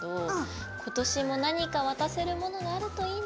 今年も何か渡せるものがあるといいな。